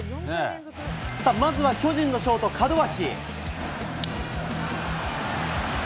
さあ、まずは巨人のショート、門脇。